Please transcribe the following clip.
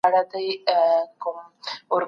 د لويي جرګې غړي کله په خپلو منځو کي موافقې ته رسیږي؟